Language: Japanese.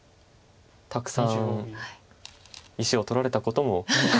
たくさん石を取られたことも。